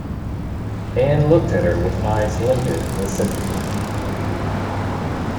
Anne looked at her with eyes limpid with sympathy.